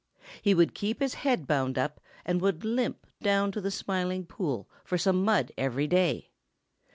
He would keep his head bound up and would limp down to the Smiling Pool for some mud every day.